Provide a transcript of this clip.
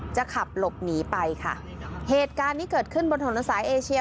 จะขับหลบหนีไปค่ะเหตุการณ์นี้เกิดขึ้นบนถนนสายเอเชีย